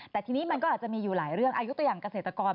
แต่ทีนี้มันก็อาจจะมีอยู่หลายเรื่องอายุตัวอย่างเกษตรกร